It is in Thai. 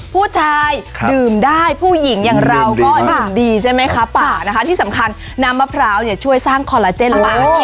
ผู้ชายดื่มได้ผู้หญิงอย่างเราเพราะว่าดื่มดีใช่ไหมครับป๊าที่สำคัญน้ำมะพร้าวช่วยสร้างคอลลาเจนละ